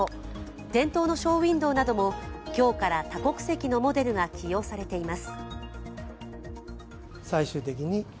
店頭のショーウィンドーなども今日から多国籍のモデルが起用されています。